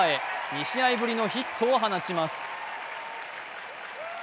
２試合ぶりのヒットを放ちます。